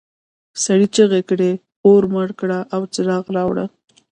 سړي چیغې کړې چې اور مړ کړه او څراغ راوړه.